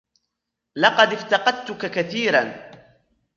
لقد افتقدتك كثيراً.